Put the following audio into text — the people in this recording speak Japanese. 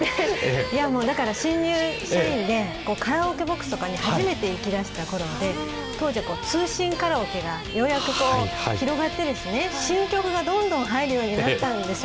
だから新入社員でカラオケボックスとかに初めて行きだしたころで当時は通信カラオケがようやく広がって新曲がどんどん入るようになったんですよ。